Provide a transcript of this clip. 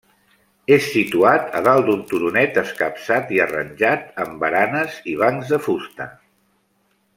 És situat a dalt d'un turonet escapçat i arranjat amb baranes i bancs de fusta.